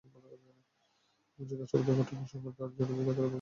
জিজ্ঞাসাবাদে ঘটনার সঙ্গে জড়িত থাকার তথ্য পাওয়া গেলে তাঁকে আসামি করা হবে।